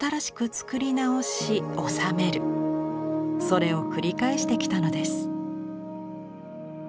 それを繰り返してきたのです。